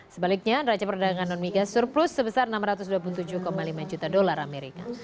sebaliknya neraca perdagangan non migas surplus sebesar enam ratus dua puluh tujuh lima juta dolar amerika